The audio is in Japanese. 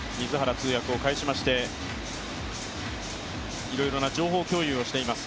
通訳を介しまして、いろいろな情報共有をしています。